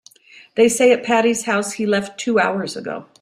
They say at Patti's house he left two hours ago.